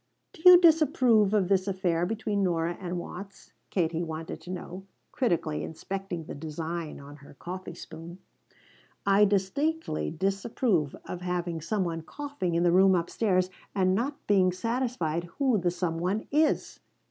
"Do you disapprove of this affair between Nora and Watts?" Katie wanted to know, critically inspecting the design on her coffee spoon. "I distinctly disapprove of having some one coughing in the room upstairs and not being satisfied who the some one is!"